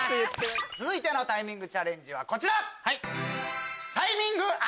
続いてのタイミングチャレンジはこちら！